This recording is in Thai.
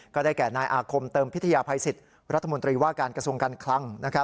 ก็ได้แก่นายอาคมเติมพิทยาภัยสิทธิ์รัฐมนตรีว่าการกระทรวงการคลัง